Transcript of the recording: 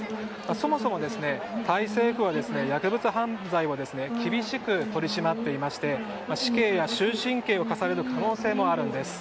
そもそも、タイ政府は薬物犯罪を厳しく取り締まっていまして死刑や終身刑を科される可能性もあるんです。